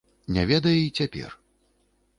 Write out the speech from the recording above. Не ведае й цяпер.